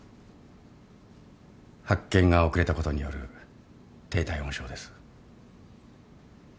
発見が遅れたことによる低体温症です。